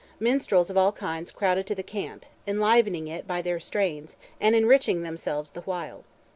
Minstrels of all kinds crowded to the camp, enlivening it by their strains, and enriching themselves the while.